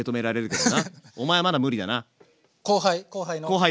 後輩？